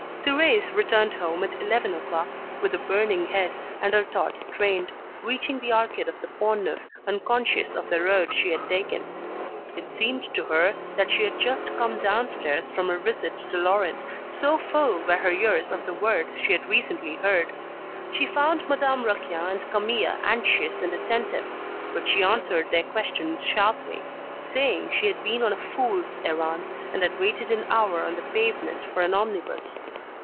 Thérèse returned home at eleven o'clock, with a burning head, and her thoughts strained, reaching the Arcade of the Pont Neuf unconscious of the road she had taken. It seemed to her that she had just come downstairs from her visit to Laurent, so full were her ears of the words she had recently heard. She found Madame Raquin and Camille anxious and attentive; but she answered their questions sharply, saying she had been on a fools' errand, and had waited an hour on the pavement for an omnibus.